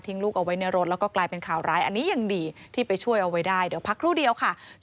ลูกเอาไว้ในรถแล้วก็กลายเป็นข่าวร้ายอันนี้ยังดีที่ไปช่วยเอาไว้ได้เดี๋ยวพักครู่เดียวค่ะ